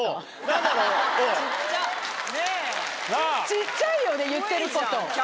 ちっちゃいよね言ってること。